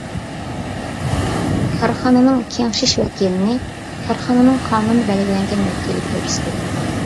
كارخانىنىڭ كېڭىشىش ۋەكىلىنى كارخانىنىڭ قانۇندا بەلگىلەنگەن ۋەكىلى كۆرسىتىدۇ.